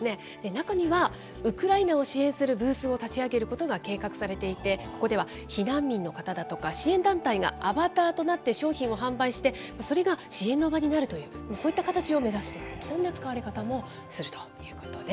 中にはウクライナを支援するブースを立ち上げることが計画されていて、ここでは避難民の方だとか、支援団体がアバターとなって商品を販売して、それが支援の場になるという、そういった形を目指している、こんな使われ方もするということで。